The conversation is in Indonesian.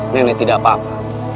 nenek tidak apa apa